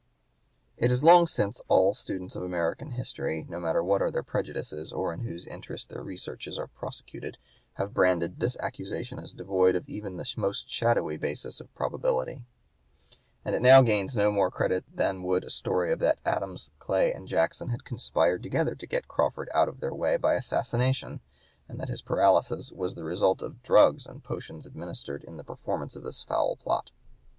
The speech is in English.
It is long since all students of American history, no matter what are their prejudices, or in whose interest their researches are prosecuted, have branded this accusation as devoid of even the most shadowy basis of probability, and it now gains no more credit than would a story that Adams, Clay, and Jackson had conspired together to get Crawford out of their way by assassination, and that his paralysis was the result of the drugs and potions administered in performance of this foul plot.